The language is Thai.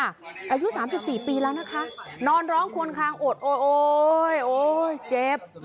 ค่ะอายุสามสิบสี่ปีแล้วนะคะนอนร้องควนคลางอดโอ้ยโอ้ยเจ็บ